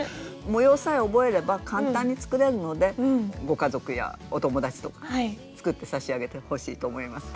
模様さえ覚えれば簡単に作れるのでご家族やお友達とかね作ってさしあげてほしいと思います。